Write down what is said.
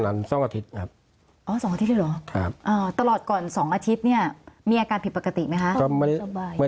หลังจากนั้นสองอาทิตย์ครับ